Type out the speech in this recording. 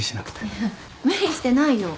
いや無理してないよ。